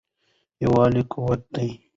یووالی قوت دی.